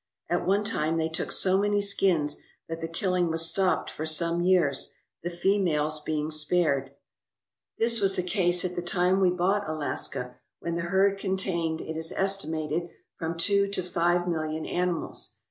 At one time they took so many skins that the killing was stopped for some years, the females being spared. This was the case at 231 ALASKA OUR NORTHERN WONDERLAND the time we bought Alaska, when the herd contained, it is estimated, from two to five million animals.